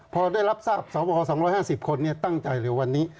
พอได้รับทราบสว๒๕๐คนตั้งใจเลยวันนี้